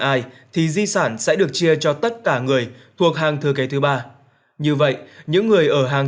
ai thì di sản sẽ được chia cho tất cả người thuộc hàng thừa kế thứ ba như vậy những người ở hàng